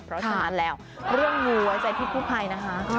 เพราะฉะนั้นแล้วเรื่องมูลใจที่ผู้ไพรนะฮะ